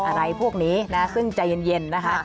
อะไรพวกนี้นะซึ่งใจเย็นนะคะ